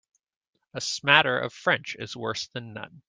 A smatter of French is worse than none.